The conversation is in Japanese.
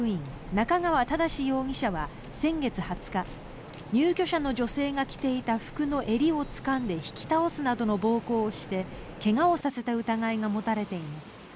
中川忠容疑者は先月２０日入居者の女性が着ていた服の襟をつかんで引き倒すなどの暴行をして怪我をさせた疑いが持たれています。